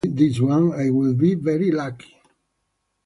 If I get through this one I will be very lucky.